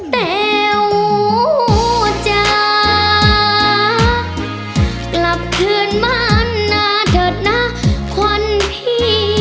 แต๋วจะกลับคืนบ้านนาเถิดนะควันพี่